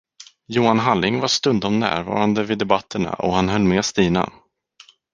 Johan Halling var stundom närvarande vid debatterna och han höll med Stina.